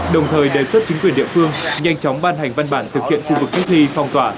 đồng thời đề xuất chính quyền địa phương nhanh chóng ban hành văn bản thực hiện khu vực cách ly phong tỏa